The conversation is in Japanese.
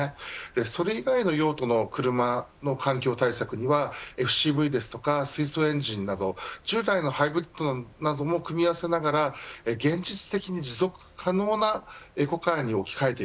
それ以外の用途の車の環境対策にはＦＣＶや水素エンジンなど従来のハイブリッドなども組み合わせながら現実的に持続可能なエコカーに置き換える。